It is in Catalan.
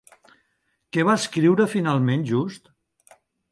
Què va escriure finalment Just?